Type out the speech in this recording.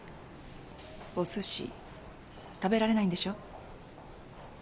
お寿司食べられないんでしょ？